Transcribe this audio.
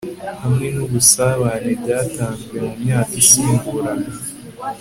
hamwe n'ubusabane byatanzwe mu myaka isimburana